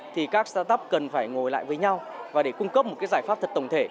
thì các start up cần phải ngồi lại với nhau và để cung cấp một giải pháp thật tổng thể